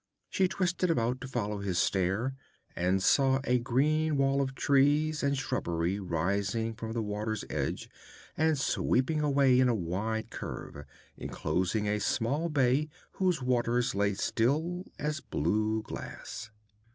She twisted about to follow his stare, and saw a green wall of trees and shrubbery rising from the water's edge and sweeping away in a wide curve, enclosing a small bay whose waters lay still as blue glass.